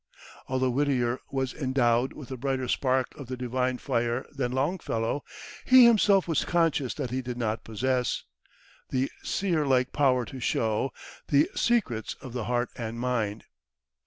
Although Whittier was endowed with a brighter spark of the divine fire than Longfellow, he himself was conscious that he did not possess The seerlike power to show The secrets of the heart and mind.